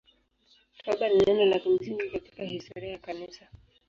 Toba ni neno la msingi katika historia ya Kanisa.